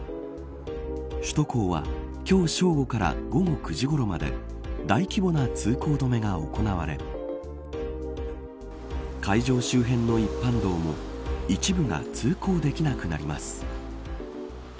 首都高は今日正午から午後９時ころまで大規模な通行止めが行われ会場周辺の一般道も一部が通行できなくなります。